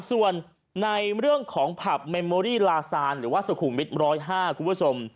ส่วนในเรื่องของผับเมมโมรี่ลาซานหรือว่าสุขุมวิท๑๐๕คุณผู้ชม